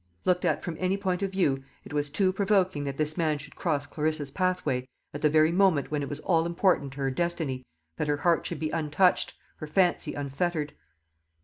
Looked at from any point of view, it was too provoking that this man should cross Clarissa's pathway at the very moment when it was all important to her destiny that her heart should be untouched, her fancy unfettered.